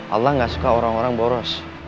allah gak suka orang orang boros